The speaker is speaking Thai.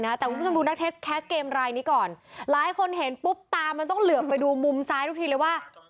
แต่คุณผู้ชมดูนักเทสแคสเกมรายนี้ก่อนหลายคนเห็นปุ๊บตามันต้องเหลือบไปดูมุมซ้ายทุกทีเลยว่า